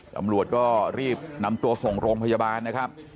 ตำรวจก็รีบนำตัวส่งโรงพยาบาลนะครับ